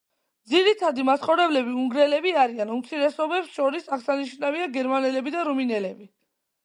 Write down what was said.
ძირითადი მაცხოვრებლები უნგრელები არიან, უმცირესობებს შორის აღსანიშნავია გერმანელები და რუმინელები.